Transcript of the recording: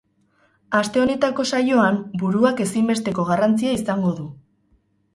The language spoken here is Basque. Aste honetako saioan, buruak ezinbesteko garrantzia izango du.